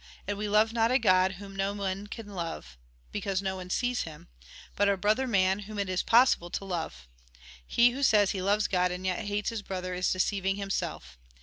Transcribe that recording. And we love not a God whom no one can love, because no one sees Him, but our brother man, whom it is possible to love. He who says he loves God, and yet hates his brother, is deceiving himself.